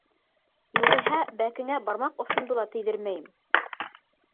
Юғиһә бәкеңә бармаҡ осомдо ла тейҙермәйем.